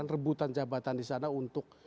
rebutan jabatan di sana untuk